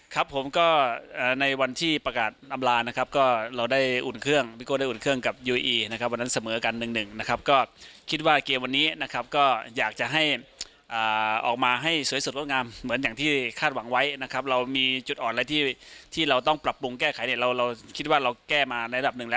ก็คงให้น้องโชว์ละกันนะพี่โก้คงดูข้างนะครับ